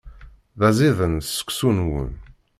D aẓidan seksu-nwen.